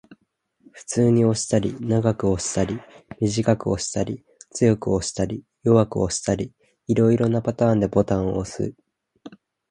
普通に押したり、長く押したり、短く押したり、強く押したり、弱く押したり、色々なパターンでボタンを押す